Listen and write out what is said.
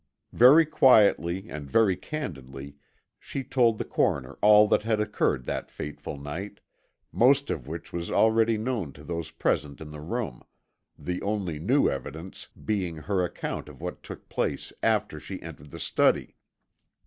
Very quietly and very candidly she told the coroner all that had occurred that fateful night, most of which was already known to those present in the room, the only new evidence being her account of what took place after she entered the study.